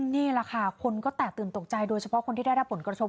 นี่แหละค่ะคนก็แตกตื่นตกใจโดยเฉพาะคนที่ได้รับผลกระทบ